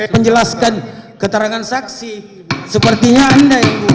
menjelaskan keterangan saksi sepertinya anda yang buat